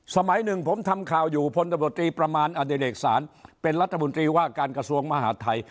สมัยหนึ่งผมทำข่าวอยู่พลตบุรตีประมาณอเดริกศาลเป็นรัฐบุรตีว่าการกระทรวงมหาธัย